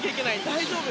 大丈夫。